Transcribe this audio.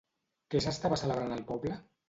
Què s'estava celebrant al poble?